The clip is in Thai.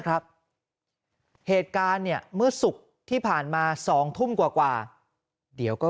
ครับเหตุการณ์เนี่ยเมื่อศุกร์ที่ผ่านมา๒ทุ่มกว่าเดี๋ยวก็